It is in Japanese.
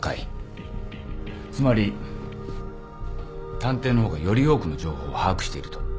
つまり探偵の方がより多くの情報を把握していると。